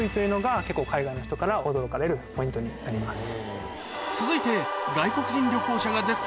結構海外の人から驚かれるポイントになります。